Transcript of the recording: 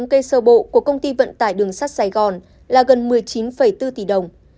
độ của công ty vận tải đường sát sài gòn là gần một mươi chín bốn tỷ đồng